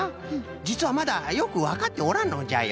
じつはまだよくわかっておらんのじゃよ。